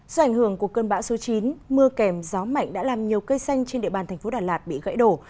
do ảnh hưởng của cơn bão số chín mưa kèm gió mạnh đã làm nhiều cây xanh trên địa bàn thành phố đà lạt bị gãy đổ